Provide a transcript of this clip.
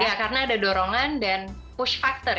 ya karena ada dorongan dan push factor